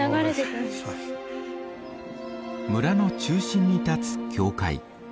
村の中心にたつ教会。